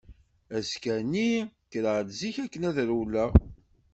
Azekka-nni kkreɣ-d zik akken ad rewleɣ.